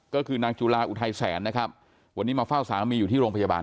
ก็คือนางจุลาอุทัยแสนนะครับวันนี้มาเฝ้าสามีอยู่ที่โรงพยาบาล